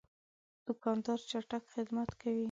دوکاندار چټک خدمت کوي.